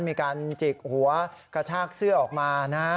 มีการจิกหัวกระชากเสื้อออกมานะฮะ